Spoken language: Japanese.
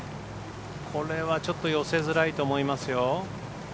これはちょっと寄せづらいと思いますよ。